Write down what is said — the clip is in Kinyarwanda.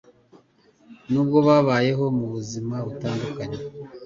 Nubwo babayeho mubuzima butandukanye